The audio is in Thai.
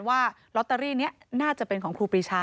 ว่าลอตเตอรี่นี้น่าจะเป็นของครูปรีชา